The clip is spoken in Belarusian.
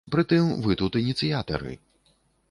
Прытым вы тут ініцыятары.